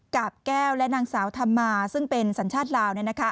แก้วและนางสาวธรรมาซึ่งเป็นสัญชาติลาว